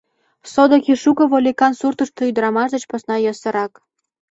Содыки шуко вольыкан суртышто ӱдырамаш деч посна йӧсырак.